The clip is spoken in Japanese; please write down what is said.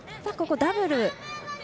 ここダブル。